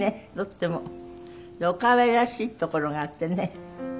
お可愛らしいところがあってね。